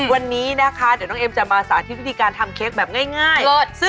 วันนี้นะคะเดี๋ยวน้องเอ็มจะมาสาธิตวิธีการทำเค้กแบบง่าย